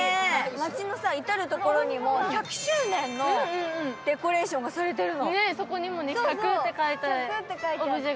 街の至るところにも１００周年のデコレーションがされてるの。